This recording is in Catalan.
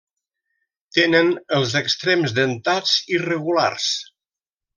Tenen els extrems dentats irregulars.